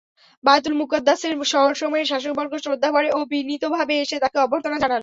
বায়তুল মুকাদ্দাসের শহরসমূহের শাসকবর্গ শ্রদ্ধাভরে ও বিনীতভাবে এসে তাকে অভ্যর্থনা জানান।